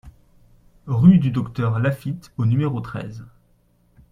Rue du Docteur Lafitte au numéro treize